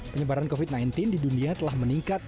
penyebaran covid sembilan belas di dunia telah meningkat